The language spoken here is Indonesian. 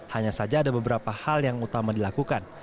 hanya saja ada beberapa hal yang utama dilakukan